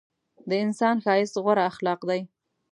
د انسان ښایست غوره اخلاق دي.